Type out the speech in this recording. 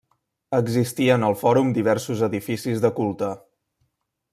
Existien al fòrum diversos edificis de culte.